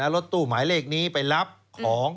รถตู้หมายเลขนี้ไปรับของ